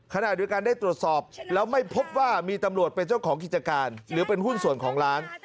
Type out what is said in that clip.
ขณะเดียวกันได้ตรวจสอบแล้วไม่พบว่ามีตำรวจเป็นเจ้าของกิจการหรือเป็นหุ้นส่วนของร้าน